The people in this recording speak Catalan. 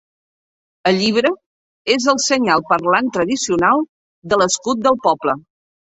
El llibre és el senyal parlant tradicional de l'escut del poble.